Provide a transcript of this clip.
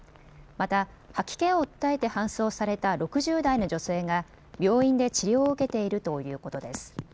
また、吐き気を訴えて搬送された６０代の女性が病院で治療を受けているということです。